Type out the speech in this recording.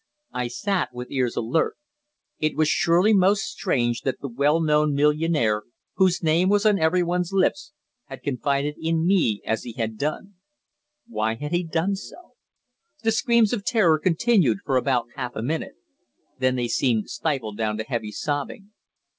I sat with ears alert. It was surely most strange that the well known millionaire, whose name was on everyone's lips, had confided in me as he had done. Why had he done so? The screams of terror continued for about half a minute. Then they seemed stifled down to heavy sobbing.